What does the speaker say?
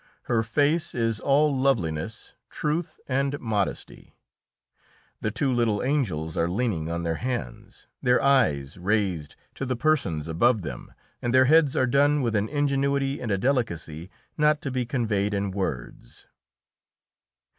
Her face is all loveliness, truth and modesty. The two little angels are leaning on their hands, their eyes raised to the persons above them, and their heads are done with an ingenuity and a delicacy not to be conveyed in words.